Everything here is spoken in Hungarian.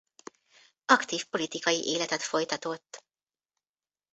Aktív politikai életet folytatott.